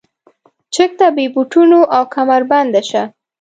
چک ته بې بوټونو او کمربنده شه.